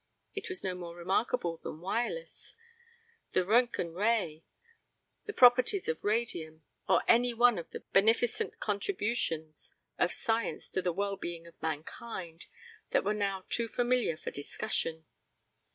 It was no more remarkable than wireless, the Röntgen Ray, the properties of radium, or any one of the beneficent contributions of science to the well being of mankind that were now too familiar for discussion.